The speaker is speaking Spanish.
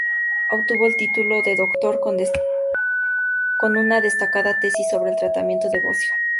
Obtuvo el título de Doctor con una destacada tesis sobre el tratamiento del Bocio.